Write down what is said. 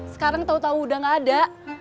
sekarang tau tau udah gak ada